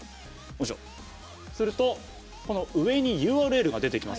すると、上にＵＲＬが出てきます。